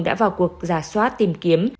đã vào cuộc giả soát tìm kiếm